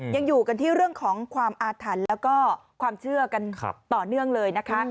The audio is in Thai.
ยังอยู่กันที่เรื่องของความอาถรรพ์แล้วก็ความเชื่อกันต่อเนื่องเลยนะคะ